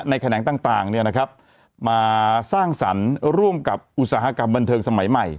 ในแขนงต่างต่างเนี่ยนะครับมาสร้างสรรค์ร่วมกับอุตสาหกรรมบันเทิงสมัยใหม่